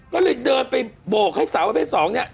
ก็เลยเดินไปโบกให้สาวประเภท๒เนี่ย